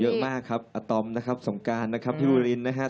เยอะมากครับอาตอมนะครับส่งการพี่หูลินนะครับ